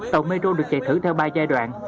tàu metro được chạy thử theo ba giai đoạn